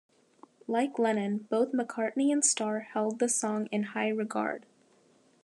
Like Lennon, both McCartney and Starr held the song in high regard.